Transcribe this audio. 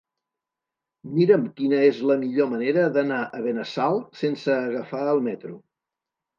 Mira'm quina és la millor manera d'anar a Benassal sense agafar el metro.